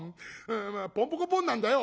ポンポコポンなんだよ」。